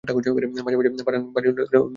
মাঝে মাঝে পাঠান মাথা নাড়িয়া বলিয়া উঠিল, বাহবা!